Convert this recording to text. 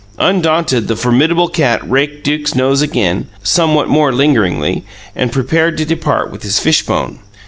Undaunted, the formidable cat raked Duke's nose again, somewhat more lingeringly, and prepared to depart with his fishbone.